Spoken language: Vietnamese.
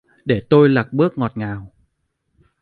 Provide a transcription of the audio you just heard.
Để tôi lạc bước ngọt ngào